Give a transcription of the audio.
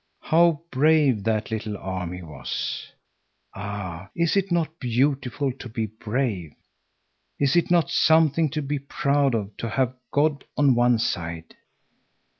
How brave that little army was! Ah, is it not beautiful to be brave? Is it not something to be proud of to have God on one's side?